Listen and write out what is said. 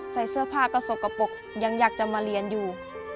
ใส่เสื้อผ้าก็สกปรกยังอยากจะมาเรียนอยู่